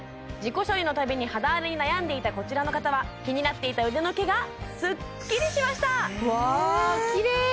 自己処理のたびに肌荒れに悩んでいたこちらの方は気になっていた腕の毛がすっきりしましたうわきれ！